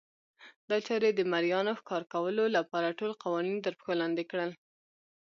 دا چارې د مریانو ښکار کولو لپاره ټول قوانین ترپښو لاندې کړل.